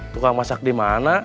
tukang masak di mana